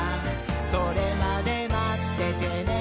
「それまでまっててねー！」